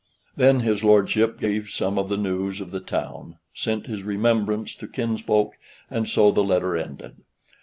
Then his lordship gave some of the news of the town, sent his remembrance to kinsfolk, and so the letter ended.